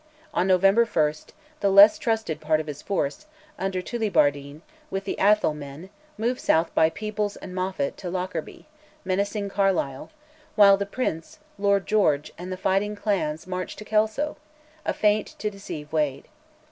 On November 1, the less trusted part of his force, under Tullibardine, with the Atholl men, moved south by Peebles and Moffat to Lockerbie, menacing Carlisle; while the Prince, Lord George, and the fighting clans marched to Kelso a feint to deceive Wade.